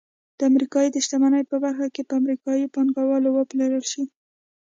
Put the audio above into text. د امریکا د شتمنۍ برخه په امریکايي پانګوالو وپلورل شي